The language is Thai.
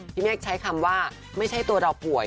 เมฆใช้คำว่าไม่ใช่ตัวเราป่วย